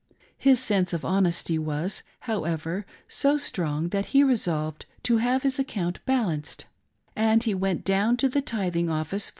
His sense of honesty was, however, so strong that he resolved to have his account balanced, and be went down to the Tithing Office for that 17 2/2 HOW.